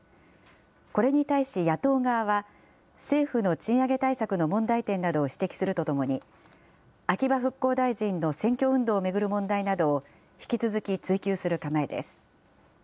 これに対し野党側は、政府の賃上げ対策の問題点などを指摘するとともに、秋葉復興大臣の選挙運動を巡る問題などを、引き続き追及する構えです。